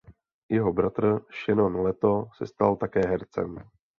Jeho bratr Shannon Leto se stal také hercem.